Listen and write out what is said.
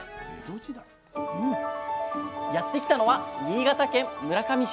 やって来たのは新潟県村上市。